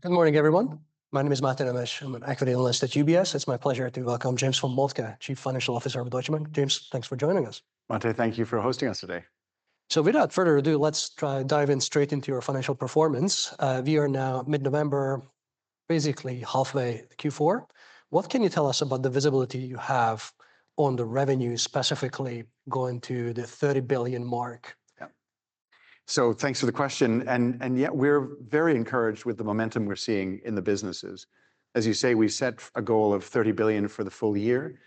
Good morning, everyone. My name is Matej Nemes. I'm an equity analyst at UBS. It's my pleasure to welcome James von Moltke, Chief Financial Officer of Deutsche Bank. James, thanks for joining us. Matej, thank you for hosting us today. So, without further ado, let's dive in straight into your financial performance. We are now mid-November, basically halfway through Q4. What can you tell us about the visibility you have on the revenue, specifically going to the 30 billion mark? Yeah, so thanks for the question. And yet, we're very encouraged with the momentum we're seeing in the businesses. As you say, we set a goal of 30 billion for the full year.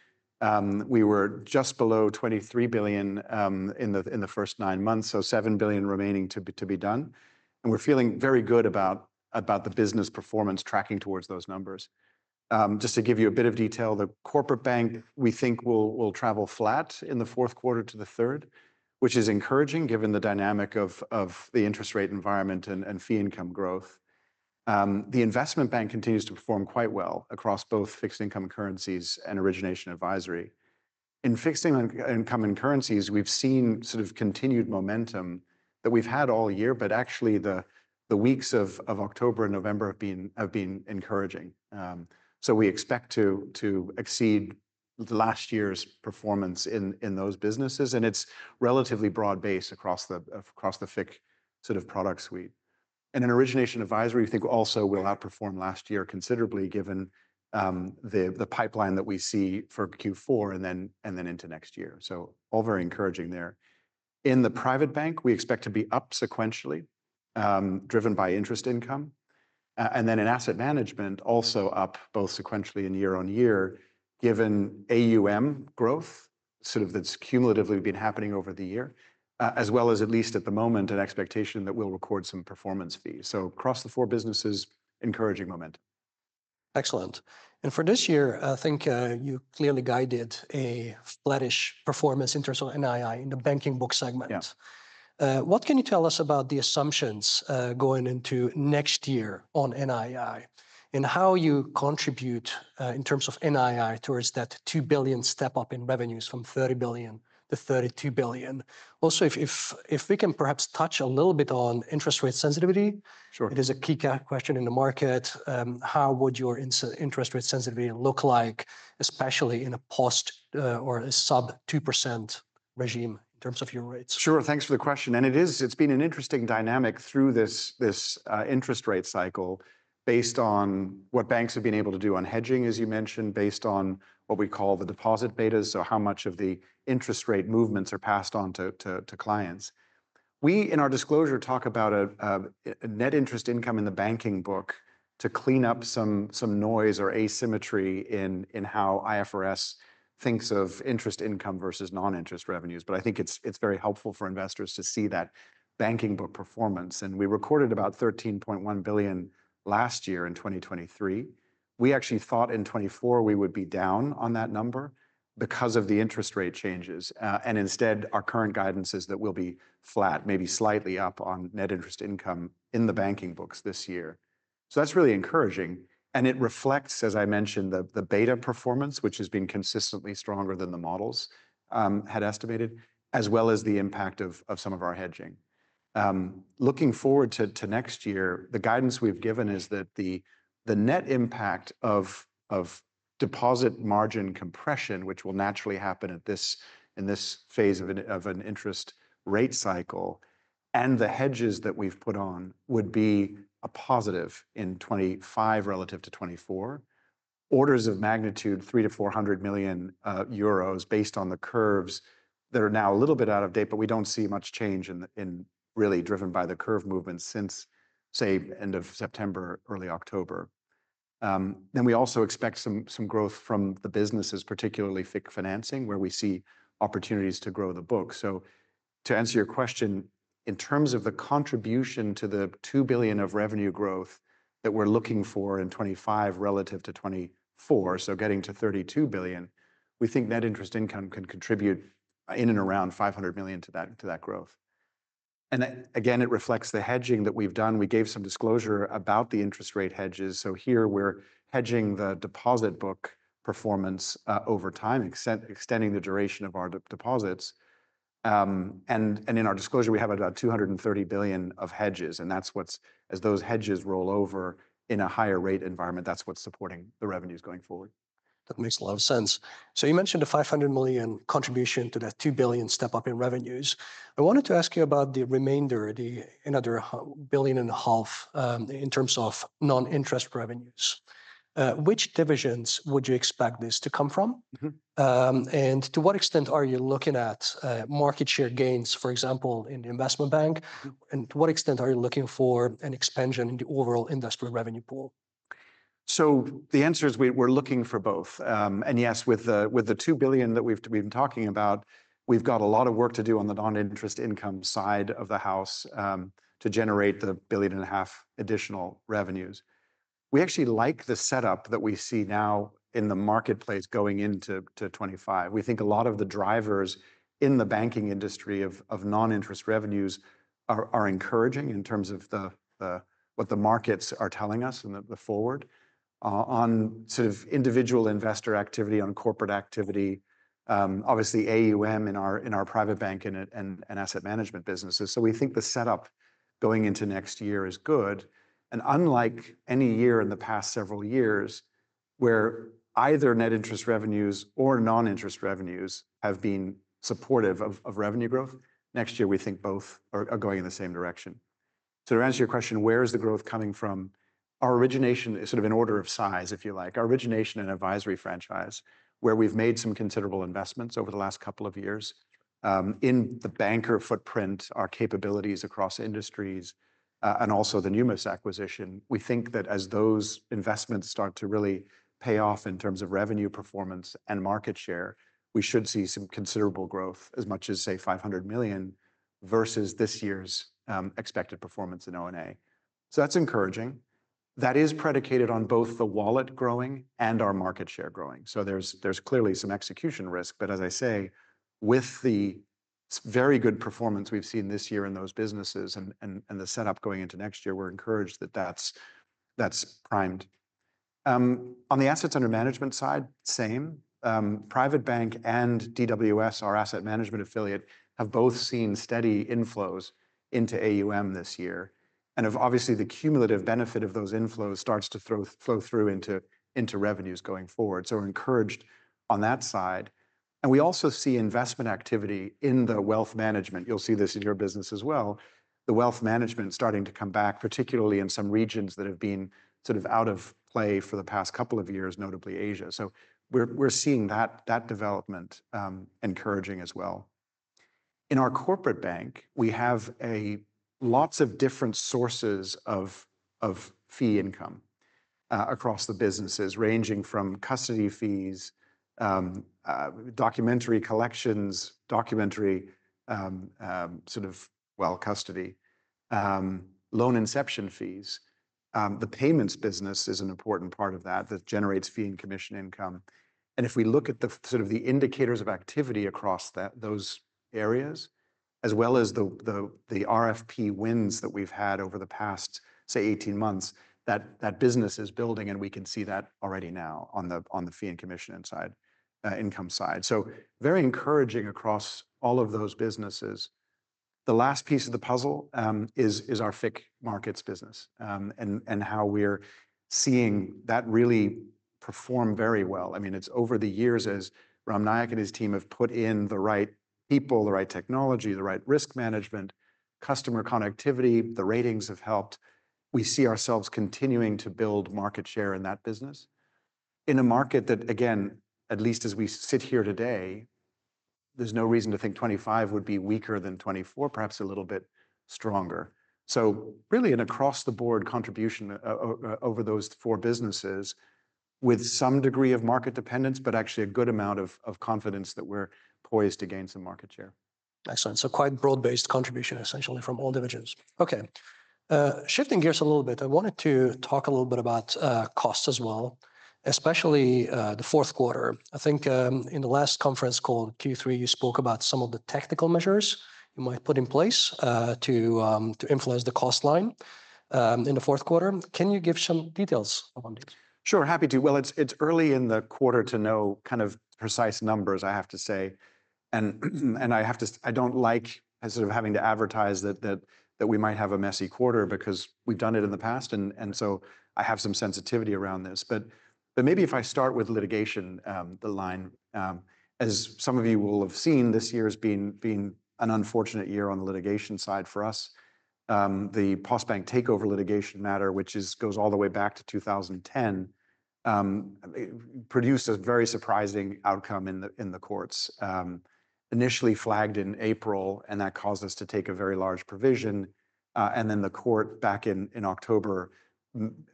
We were just below 23 billion in the first nine months, so 7 billion remaining to be done. And we're feeling very good about the business performance tracking towards those numbers. Just to give you a bit of detail, the Corporate Bank, we think, will travel flat in the fourth quarter to the third, which is encouraging given the dynamic of the interest rate environment and fee income growth. The Investment Bank continues to perform quite well across both fixed income currencies and Origination Advisory. In Fixed Income and Currencies, we've seen sort of continued momentum that we've had all year, but actually, the weeks of October and November have been encouraging. So we expect to exceed last year's performance in those businesses. And it's relatively broad-based across the FICC sort of product suite. And in Origination Advisory, we think also will outperform last year considerably given the pipeline that we see for Q4 and then into next year. So all very encouraging there. In the Private Bank, we expect to be up sequentially, driven by interest income. And then in Asset Management, also up both sequentially and year on year, given AUM growth, sort of that's cumulatively been happening over the year, as well as, at least at the moment, an expectation that we'll record some performance fees. So across the four businesses, encouraging momentum. Excellent, and for this year, I think you clearly guided a flattish performance in terms of NII in the banking book segment. What can you tell us about the assumptions going into next year on NII and how you contribute in terms of NII towards that 2 billion step-up in revenues from 30 billion-32 billion? Also, if we can perhaps touch a little bit on interest rate sensitivity. Sure. It is a key question in the market. How would your interest rate sensitivity look like, especially in a post or a sub-2% regime in terms of your rates? Sure. Thanks for the question. And it's been an interesting dynamic through this interest rate cycle based on what banks have been able to do on hedging, as you mentioned, based on what we call the deposit betas, so how much of the interest rate movements are passed on to clients. We, in our disclosure, talk about a net interest income in the banking book to clean up some noise or asymmetry in how IFRS thinks of interest income versus non-interest revenues. But I think it's very helpful for investors to see that banking book performance. And we recorded about 13.1 billion last year in 2023. We actually thought in 2024 we would be down on that number because of the interest rate changes. And instead, our current guidance is that we'll be flat, maybe slightly up on net interest income in the banking books this year. That's really encouraging. It reflects, as I mentioned, the beta performance, which has been consistently stronger than the models had estimated, as well as the impact of some of our hedging. Looking forward to next year, the guidance we've given is that the net impact of deposit margin compression, which will naturally happen in this phase of an interest rate cycle, and the hedges that we've put on would be a positive in 2025 relative to 2024, order of magnitude 300 million to 400 million euros based on the curves that are now a little bit out of date, but we don't see much change in really driven by the curve movement since, say, end of September, early October. Then we also expect some growth from the businesses, particularly FICC financing, where we see opportunities to grow the book. To answer your question, in terms of the contribution to the 2 billion of revenue growth that we're looking for in 2025 relative to 2024, so getting to 32 billion, we think net interest income can contribute in and around 500 million to that growth. And again, it reflects the hedging that we've done. We gave some disclosure about the interest rate hedges. So here, we're hedging the deposit book performance over time, extending the duration of our deposits. And in our disclosure, we have about 230 billion of hedges. And that's what's, as those hedges roll over in a higher rate environment, that's what's supporting the revenues going forward. That makes a lot of sense. So you mentioned a €500 million contribution to that €2 billion step-up in revenues. I wanted to ask you about the remainder, the another €1.5 billion in terms of non-interest revenues. Which divisions would you expect this to come from? And to what extent are you looking at market share gains, for example, in the investment bank? And to what extent are you looking for an expansion in the overall industry revenue pool? So the answer is we're looking for both. And yes, with the €2 billion that we've been talking about, we've got a lot of work to do on the non-interest income side of the house to generate the €1.5 billion additional revenues. We actually like the setup that we see now in the marketplace going into 2025. We think a lot of the drivers in the banking industry of non-interest revenues are encouraging in terms of what the markets are telling us and the forward on sort of individual investor activity, on corporate activity, obviously AUM in our Private Bank and Asset Management businesses. So we think the setup going into next year is good. And unlike any year in the past several years where either net interest revenues or non-interest revenues have been supportive of revenue growth, next year we think both are going in the same direction. So to answer your question, where is the growth coming from? Our origination is sort of in order of size, if you like. Our Origination Advisory franchise, where we've made some considerable investments over the last couple of years in the banker footprint, our capabilities across industries, and also the Numis acquisition, we think that as those investments start to really pay off in terms of revenue performance and market share, we should see some considerable growth as much as, say, 500 million versus this year's expected performance in O&A. So that's encouraging. That is predicated on both the wallet growing and our market share growing. So there's clearly some execution risk. But as I say, with the very good performance we've seen this year in those businesses and the setup going into next year, we're encouraged that that's primed. On the assets under management side, same. Private Bank and DWS, our Asset Management affiliate, have both seen steady inflows into AUM this year. And obviously, the cumulative benefit of those inflows starts to flow through into revenues going forward. So we're encouraged on that side. And we also see investment activity in the Wealth Management. You'll see this in your business as well. The Wealth Management starting to come back, particularly in some regions that have been sort of out of play for the past couple of years, notably Asia. So we're seeing that development encouraging as well. In our corporate bank, we have lots of different sources of fee income across the businesses, ranging from custody fees, documentary collections, custody, loan inception fees. The payments business is an important part of that that generates fee and commission income. If we look at the sort of indicators of activity across those areas, as well as the RFP wins that we've had over the past, say, 18 months, that business is building, and we can see that already now on the fee and commission income side, so very encouraging across all of those businesses. The last piece of the puzzle is our FICC markets business and how we're seeing that really perform very well. I mean, it's over the years as Ram Nayak and his team have put in the right people, the right technology, the right risk management, customer connectivity. The ratings have helped. We see ourselves continuing to build market share in that business in a market that, again, at least as we sit here today, there's no reason to think 2025 would be weaker than 2024, perhaps a little bit stronger, so really an across-the-board contribution over those four businesses with some degree of market dependence, but actually a good amount of confidence that we're poised to gain some market share. Excellent. So quite broad-based contribution, essentially, from all divisions. Okay. Shifting gears a little bit, I wanted to talk a little bit about costs as well, especially the fourth quarter. I think in the last conference call Q3, you spoke about some of the technical measures you might put in place to influence the cost line in the fourth quarter. Can you give some details on these? Sure, happy to. Well, it's early in the quarter to know kind of precise numbers, I have to say. And I have to, I don't like sort of having to advertise that we might have a messy quarter because we've done it in the past. And so I have some sensitivity around this. But maybe if I start with litigation, the line, as some of you will have seen, this year has been an unfortunate year on the litigation side for us. The Postbank takeover litigation matter, which goes all the way back to 2010, produced a very surprising outcome in the courts. Initially flagged in April, and that caused us to take a very large provision. And then the court back in October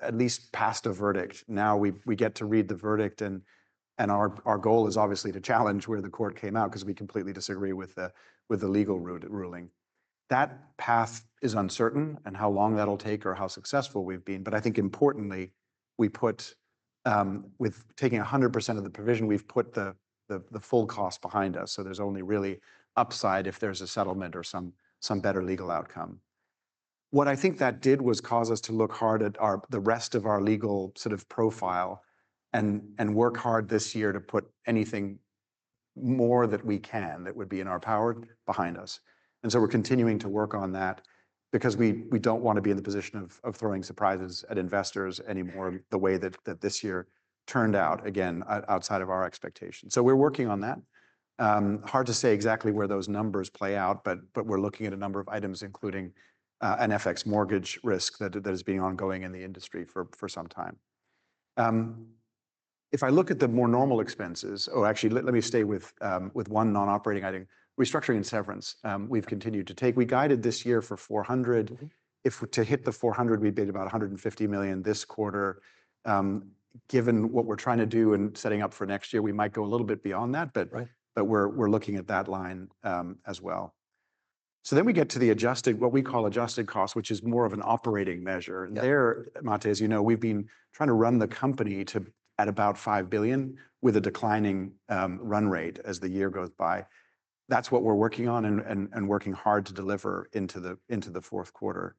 at least passed a verdict. Now we get to read the verdict. And our goal is obviously to challenge where the court came out because we completely disagree with the legal ruling. That path is uncertain and how long that'll take or how successful we've been. But I think importantly, with taking 100% of the provision, we've put the full cost behind us. So there's only really upside if there's a settlement or some better legal outcome. What I think that did was cause us to look hard at the rest of our legal sort of profile and work hard this year to put anything more that we can that would be in our power behind us. And so we're continuing to work on that because we don't want to be in the position of throwing surprises at investors anymore the way that this year turned out, again, outside of our expectation. So we're working on that. Hard to say exactly where those numbers play out, but we're looking at a number of items, including an FX mortgage risk that has been ongoing in the industry for some time. If I look at the more normal expenses, oh, actually, let me stay with one non-operating item, restructuring and severance. We've continued to take. We guided this year for 400 million. If to hit the 400 million, we bid about 150 million this quarter. Given what we're trying to do and setting up for next year, we might go a little bit beyond that, but we're looking at that line as well. So then we get to the adjusted, what we call adjusted cost, which is more of an operating measure. There, Mate, as you know, we've been trying to run the company at about 5 billion with a declining run rate as the year goes by. That's what we're working on and working hard to deliver into the fourth quarter.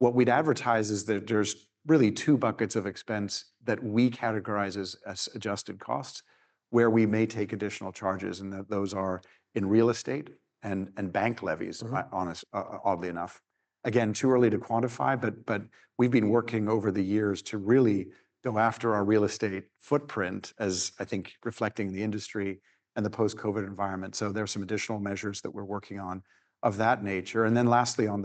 What we'd advertise is that there's really two buckets of expense that we categorize as adjusted costs where we may take additional charges, and those are in real estate and bank levies, oddly enough. Again, too early to quantify, but we've been working over the years to really go after our real estate footprint, as I think reflecting the industry and the post-COVID environment. So there are some additional measures that we're working on of that nature. And then lastly, on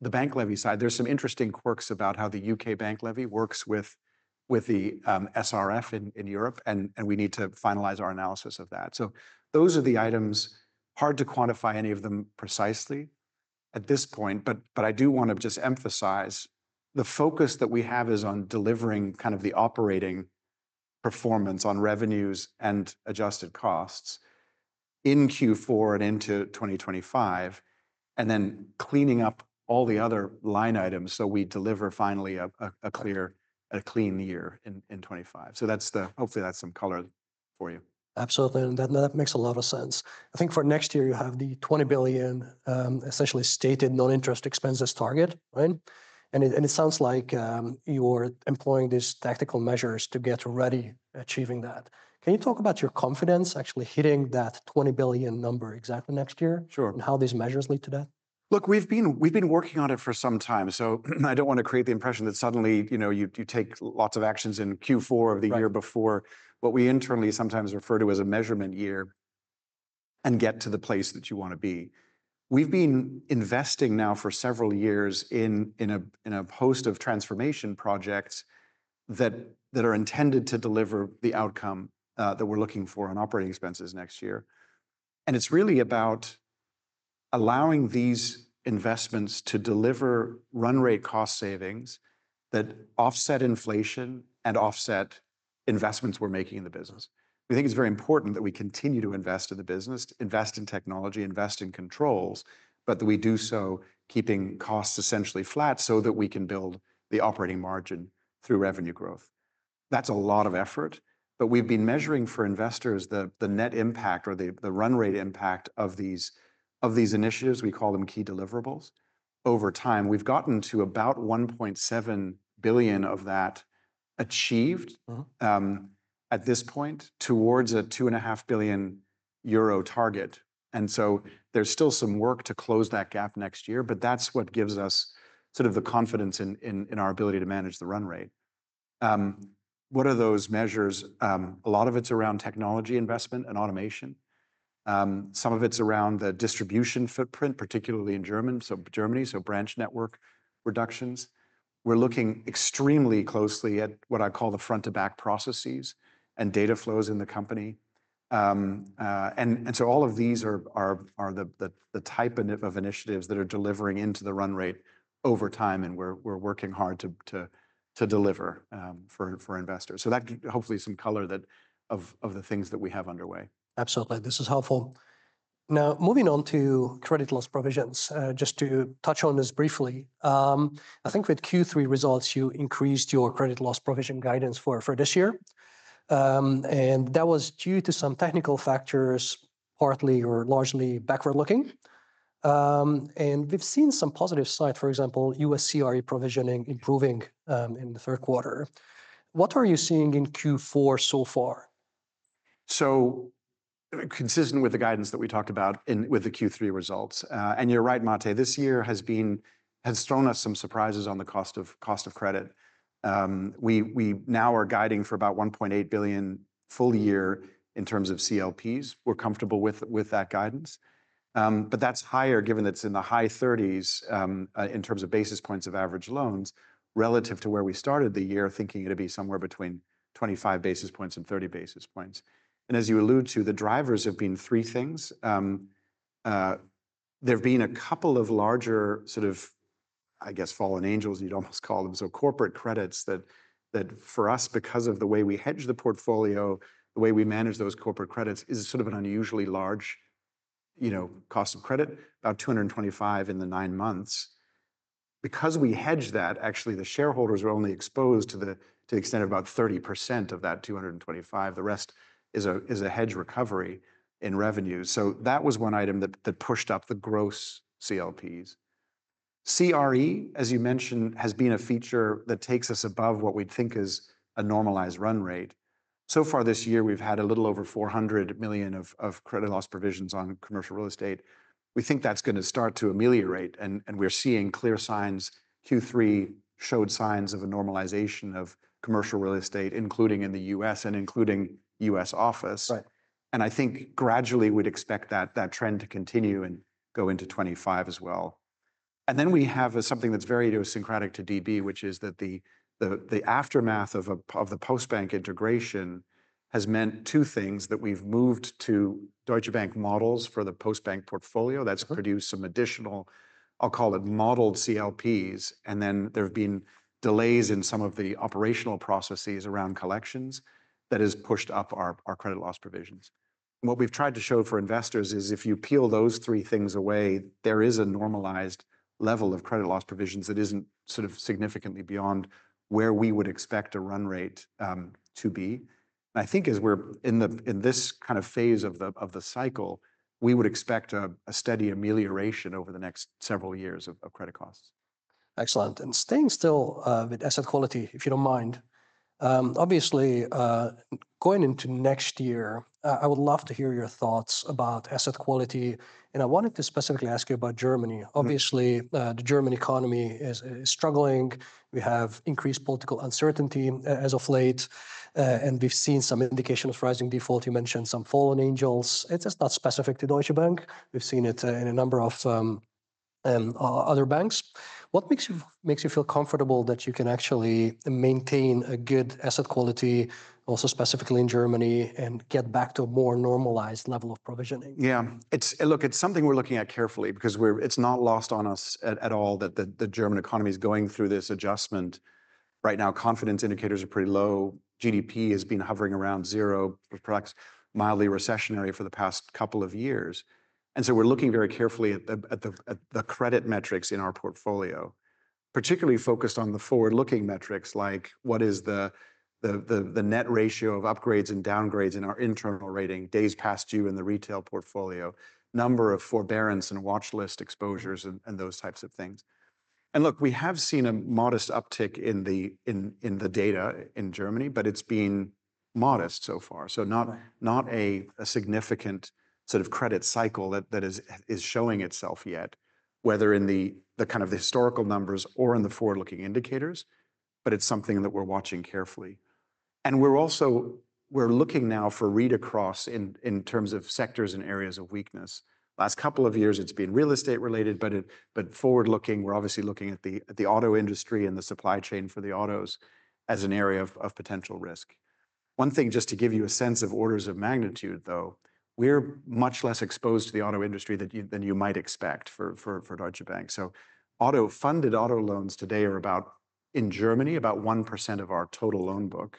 the bank levy side, there's some interesting quirks about how the U.K. bank levy works with the SRF in Europe, and we need to finalize our analysis of that. So those are the items. Hard to quantify any of them precisely at this point, but I do want to just emphasize the focus that we have is on delivering kind of the operating performance on revenues and adjusted costs in Q4 and into 2025, and then cleaning up all the other line items so we deliver finally a clear, clean year in 2025. So hopefully that's some color for you. Absolutely. And that makes a lot of sense. I think for next year, you have the €20 billion essentially stated non-interest expenses target, right? And it sounds like you're employing these tactical measures to get ready achieving that. Can you talk about your confidence actually hitting that €20 billion number exactly next year and how these measures lead to that? Look, we've been working on it for some time. So I don't want to create the impression that suddenly you take lots of actions in Q4 of the year before what we internally sometimes refer to as a measurement year and get to the place that you want to be. We've been investing now for several years in a host of transformation projects that are intended to deliver the outcome that we're looking for on operating expenses next year. And it's really about allowing these investments to deliver run rate cost savings that offset inflation and offset investments we're making in the business. We think it's very important that we continue to invest in the business, invest in technology, invest in controls, but that we do so keeping costs essentially flat so that we can build the operating margin through revenue growth. That's a lot of effort, but we've been measuring for investors the net impact or the run rate impact of these initiatives. We call them key deliverables. Over time, we've gotten to about 1.7 billion of that achieved at this point towards a 2.5 billion euro target, and so there's still some work to close that gap next year, but that's what gives us sort of the confidence in our ability to manage the run rate. What are those measures? A lot of it's around technology investment and automation. Some of it's around the distribution footprint, particularly in Germany, so branch network reductions. We're looking extremely closely at what I call the front-to-back processes and data flows in the company, and so all of these are the type of initiatives that are delivering into the run rate over time, and we're working hard to deliver for investors. So that gives hopefully some color of the things that we have underway. Absolutely. This is helpful. Now, moving on to credit loss provisions, just to touch on this briefly. I think with Q3 results, you increased your credit loss provision guidance for this year. And that was due to some technical factors, partly or largely backward-looking. And we've seen some positive side, for example, U.S. CRE provisioning improving in the third quarter. What are you seeing in Q4 so far? So consistent with the guidance that we talked about with the Q3 results. And you're right, Mate. This year has thrown us some surprises on the cost of credit. We now are guiding for about 1.8 billion full year in terms of CLPs. We're comfortable with that guidance. But that's higher given that it's in the high 30s in terms of basis points of average loans relative to where we started the year, thinking it would be somewhere between 25 basis points and 30 basis points. And as you allude to, the drivers have been three things. There've been a couple of larger sort of, I guess, fallen angels, you'd almost call them. So corporate credits that for us, because of the way we hedge the portfolio, the way we manage those corporate credits is sort of an unusually large cost of credit, about €225 million in the nine months. Because we hedge that, actually, the shareholders are only exposed to the extent of about 30% of that 225 million. The rest is a hedge recovery in revenue. So that was one item that pushed up the gross CLPs. CRE, as you mentioned, has been a feature that takes us above what we'd think is a normalized run rate. So far this year, we've had a little over 400 million of credit loss provisions on commercial real estate. We think that's going to start to ameliorate, and we're seeing clear signs. Q3 showed signs of a normalization of commercial real estate, including in the U.S. and including U.S. Office. And I think gradually we'd expect that trend to continue and go into 2025 as well. And then we have something that's very idiosyncratic to DB, which is that the aftermath of the Postbank integration has meant two things: that we've moved to Deutsche Bank models for the Postbank portfolio that's produced some additional, I'll call it modeled CLPs, and then there have been delays in some of the operational processes around collections that has pushed up our credit loss provisions. What we've tried to show for investors is if you peel those three things away, there is a normalized level of credit loss provisions that isn't sort of significantly beyond where we would expect a run rate to be. And I think as we're in this kind of phase of the cycle, we would expect a steady amelioration over the next several years of credit costs. Excellent. And staying still with asset quality, if you don't mind, obviously going into next year, I would love to hear your thoughts about asset quality. And I wanted to specifically ask you about Germany. Obviously, the German economy is struggling. We have increased political uncertainty as of late, and we've seen some indication of rising default. You mentioned some fallen angels. It's just not specific to Deutsche Bank. We've seen it in a number of other banks. What makes you feel comfortable that you can actually maintain a good asset quality, also specifically in Germany, and get back to a more normalized level of provisioning? Yeah. Look, it's something we're looking at carefully because it's not lost on us at all that the German economy is going through this adjustment right now. Confidence indicators are pretty low. GDP has been hovering around zero, perhaps mildly recessionary for the past couple of years. And so we're looking very carefully at the credit metrics in our portfolio, particularly focused on the forward-looking metrics like what is the net ratio of upgrades and downgrades in our internal rating, days past due in the retail portfolio, number of forbearance and watchlist exposures, and those types of things. And look, we have seen a modest uptick in the data in Germany, but it's been modest so far. So not a significant sort of credit cycle that is showing itself yet, whether in the kind of historical numbers or in the forward-looking indicators, but it's something that we're watching carefully. And we're also looking now for read across in terms of sectors and areas of weakness. Last couple of years, it's been real estate related, but forward-looking, we're obviously looking at the auto industry and the supply chain for the autos as an area of potential risk. One thing, just to give you a sense of orders of magnitude, though, we're much less exposed to the auto industry than you might expect for Deutsche Bank. So funded auto loans today are about, in Germany, about 1% of our total loan book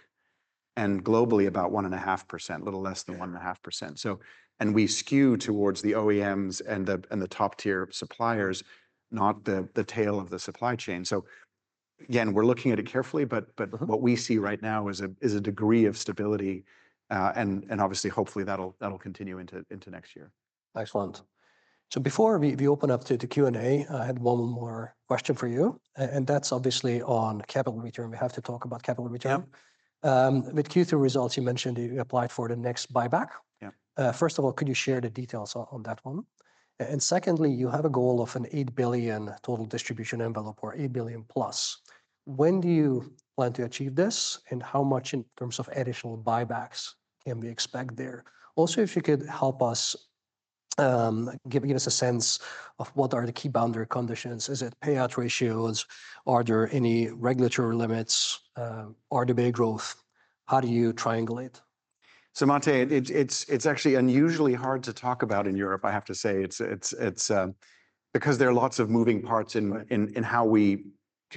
and globally about 1.5%, a little less than 1.5%. And we skew towards the OEMs and the top-tier suppliers, not the tail of the supply chain. So again, we're looking at it carefully, but what we see right now is a degree of stability and obviously, hopefully that'll continue into next year. Excellent. So before we open up to the Q&A, I had one more question for you, and that's obviously on capital return. We have to talk about capital return. With Q3 results, you mentioned you applied for the next buyback. First of all, could you share the details on that one? And secondly, you have a goal of an 8 billion total distribution envelope or 8 billion plus. When do you plan to achieve this and how much in terms of additional buybacks can we expect there? Also, if you could help us, give us a sense of what are the key boundary conditions. Is it payout ratios? Are there any regulatory limits? Are there big growth? How do you triangulate? Mate, it's actually unusually hard to talk about in Europe, I have to say, because there are lots of moving parts in how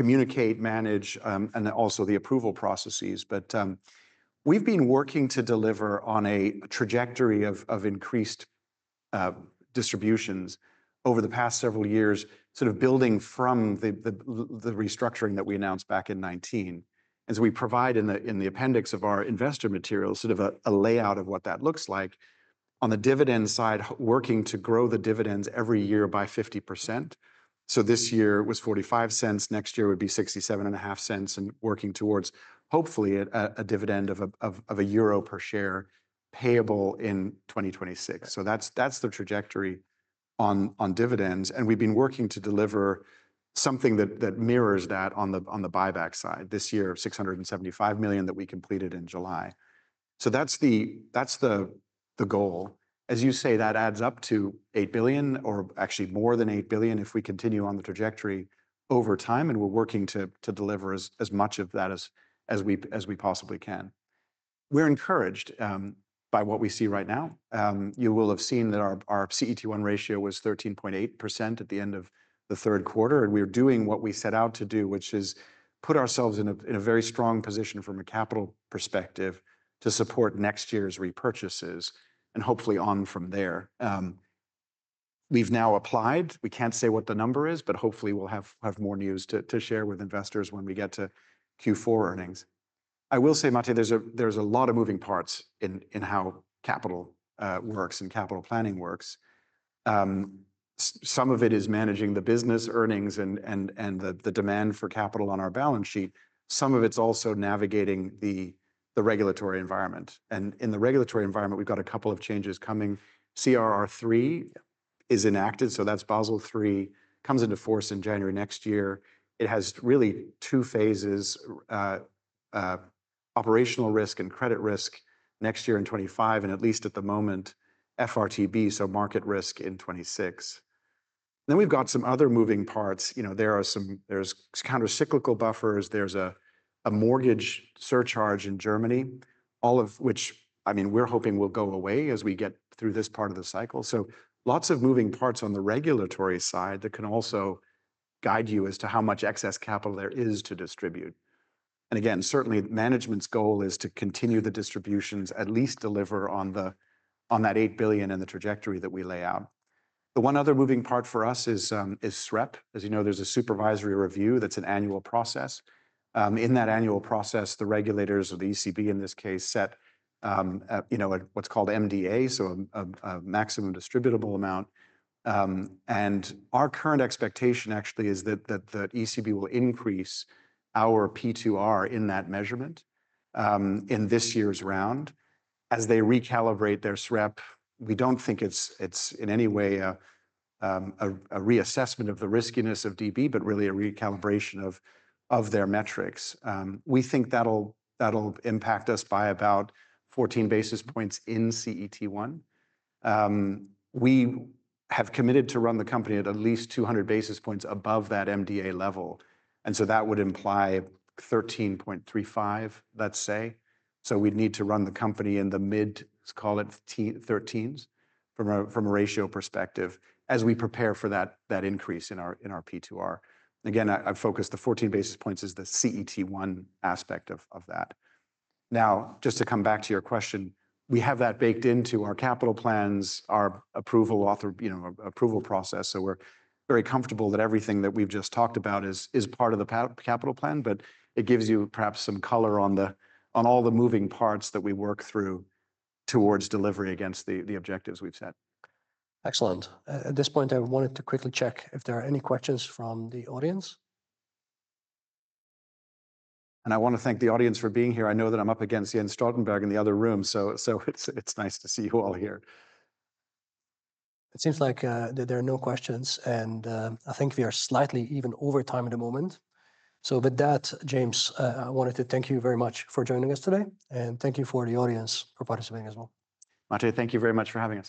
we communicate, manage, and also the approval processes. But we've been working to deliver on a trajectory of increased distributions over the past several years, sort of building from the restructuring that we announced back in 2019. And so we provide in the appendix of our investor material sort of a layout of what that looks like. On the dividend side, working to grow the dividends every year by 50%. So this year was 0.45, next year would be 0.675, and working towards hopefully a dividend of EUR 1 per share payable in 2026. So that's the trajectory on dividends. And we've been working to deliver something that mirrors that on the buyback side, this year, 675 million that we completed in July. So that's the goal. As you say, that adds up to 8 billion or actually more than 8 billion if we continue on the trajectory over time, and we're working to deliver as much of that as we possibly can. We're encouraged by what we see right now. You will have seen that our CET1 ratio was 13.8% at the end of the third quarter, and we're doing what we set out to do, which is put ourselves in a very strong position from a capital perspective to support next year's repurchases and hopefully on from there. We've now applied. We can't say what the number is, but hopefully we'll have more news to share with investors when we get to Q4 earnings. I will say, Mate, there's a lot of moving parts in how capital works and capital planning works. Some of it is managing the business earnings and the demand for capital on our balance sheet. Some of it's also navigating the regulatory environment. And in the regulatory environment, we've got a couple of changes coming. CRR3 is enacted, so that's Basel III, comes into force in January next year. It has really two phases: operational risk and credit risk next year in 2025, and at least at the moment, FRTB, so market risk in 2026. Then we've got some other moving parts. There are countercyclical buffers. There's a mortgage surcharge in Germany, all of which, I mean, we're hoping will go away as we get through this part of the cycle. So lots of moving parts on the regulatory side that can also guide you as to how much excess capital there is to distribute. Again, certainly management's goal is to continue the distributions, at least deliver on that €8 billion and the trajectory that we lay out. The one other moving part for us is SREP. As you know, there's a supervisory review that's an annual process. In that annual process, the regulators or the ECB in this case set what's called MDA, so a maximum distributable amount. Our current expectation actually is that the ECB will increase our P2R in that measurement in this year's round. As they recalibrate their SREP, we don't think it's in any way a reassessment of the riskiness of DB, but really a recalibration of their metrics. We think that'll impact us by about 14 basis points in CET1. We have committed to run the company at least 200 basis points above that MDA level. That would imply 13.35%, let's say. So we'd need to run the company in the mid, let's call it 13s from a ratio perspective as we prepare for that increase in our P2R. Again, I've focused the 14 basis points as the CET1 aspect of that. Now, just to come back to your question, we have that baked into our capital plans, our approval process. So we're very comfortable that everything that we've just talked about is part of the capital plan, but it gives you perhaps some color on all the moving parts that we work through towards delivery against the objectives we've set. Excellent. At this point, I wanted to quickly check if there are any questions from the audience. I want to thank the audience for being here. I know that I'm up against Jens Stoltenberg in the other room, so it's nice to see you all here. It seems like there are no questions, and I think we are slightly over time at the moment. So with that, James, I wanted to thank you very much for joining us today, and thank the audience for participating as well. Mate, thank you very much for having us.